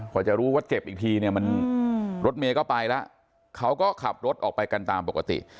พอจะรู้ว่าเจ็บอีกทีเนี่ยมันรถเมย์ก็ไปแล้วเขาก็ขับรถออกไปกันตามปกติ